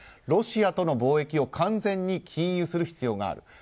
ロシアとの貿易を完全に禁輸する必要がある。